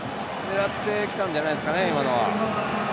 狙ってきたんじゃないですかね、今のは。